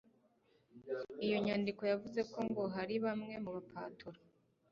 iyo nyandiko yavuze ko ngo hari bamwe mu ba patoro